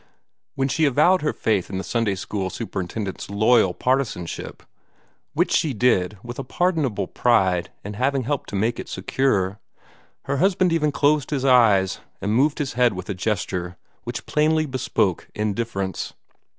When she avowed her faith in the Sunday school superintendent's loyal partisanship, which she did with a pardonable pride in having helped to make it secure, her husband even closed his eyes, and moved his head with a gesture which plainly bespoke indifference.